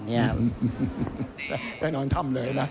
แน่นอนถ้ำเลยนะ